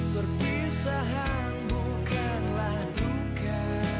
perpisahan bukanlah duka